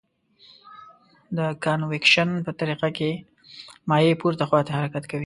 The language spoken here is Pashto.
د کانویکشن په طریقه کې مایع پورته خواته حرکت کوي.